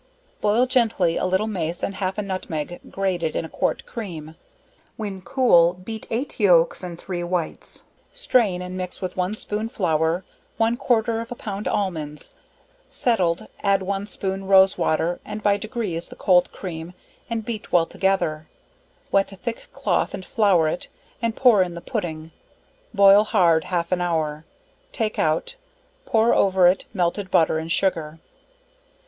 Boil gently a little mace and half a nutmeg (grated) in a quart cream; when cool, beat 8 yolks and 3 whites, strain and mix with one spoon flour one quarter of a pound almonds; settled, add one spoon rose water, and by degrees the cold cream and beat well together; wet a thick cloth and flour it, and pour in the pudding, boil hard half an hour, take out, pour over it melted butter and sugar.